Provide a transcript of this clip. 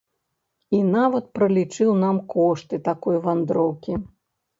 І нават пралічыў нам кошты такой вандроўкі.